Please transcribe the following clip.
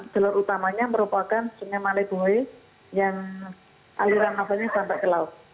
gelor utamanya merupakan sungai malik bhuhe yang aliran nafanya sampai ke laut